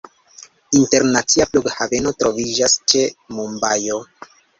Internacia flughaveno troviĝas ĉe Mumbajo.